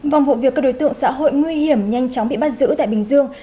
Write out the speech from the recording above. vòng vụ việc các đối tượng xã hội nguy hiểm nhanh chóng bị bắt giữ tại bình dương